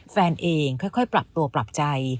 แฟนเองค่อยปรับตัวปรับใจ